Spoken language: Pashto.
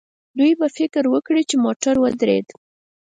دوی به فکر وکړي چې موټر ودرېد.